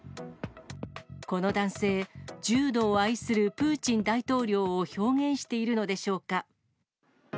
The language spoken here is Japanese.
この男性、柔道を愛するプーチン大統領を表現しているのでしょうか。